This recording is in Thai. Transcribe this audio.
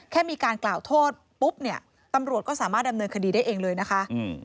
มีการกล่าวโทษปุ๊บเนี่ยตำรวจก็สามารถดำเนินคดีได้เองเลยนะคะ